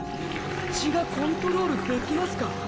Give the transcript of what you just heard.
血がコントロールできますか？